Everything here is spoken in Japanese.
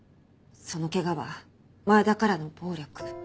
その怪我は前田からの暴力。